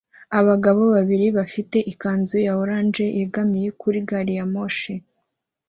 Abagabo babiri bafite ikanzu ya orange yegamiye kuri gari ya moshi